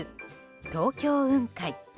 東京雲海。